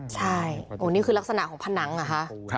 ใช่โหนี่คือลักษณะของผ้าน้ำอะฮะ